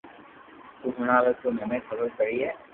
تو ھڻاوي تو مني خبر پڙئي